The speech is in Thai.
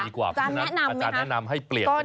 อาจารย์แนะนำไหมคะอาจารย์แนะนำให้เปลี่ยนใช่ไหมคะ